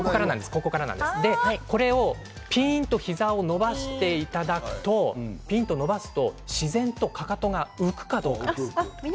これをピーンと膝を伸ばしていただくと自然とかかとが浮くかどうか。